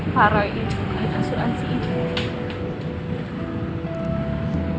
pak roy itu kan asuransi ibu